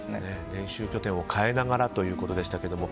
練習拠点を変えながらということでしたけども。